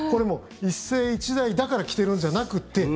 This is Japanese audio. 一世一代だから着ているんじゃなくて。